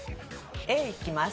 Ａいきます。